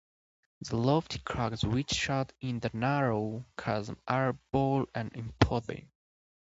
The lofty crags which shut in the narrow chasm are bold and imposing.